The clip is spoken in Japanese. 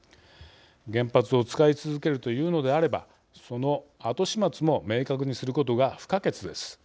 原発を使い続けるというのであればその後始末も明確にすることが不可欠です。